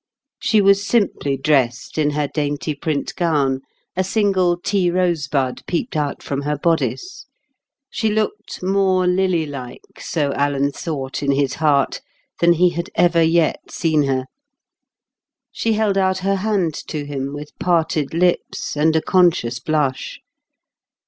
She was simply dressed in her dainty print gown, a single tea rosebud peeped out from her bodice; she looked more lily like, so Alan thought in his heart, than he had ever yet seen her. She held out her hand to him with parted lips and a conscious blush.